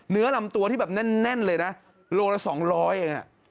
เนื้อลำตัวที่แน่นเลยนะโลละ๒๐๐บาท